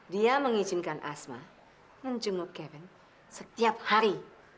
dia mengizinkan asma menjenguk kevin setiap hari